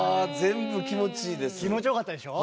気持ちよかったでしょ。